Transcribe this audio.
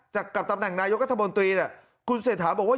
จะกับตำแหน่งนายกรัฐมนตรีคุณเศรษฐาบอกว่า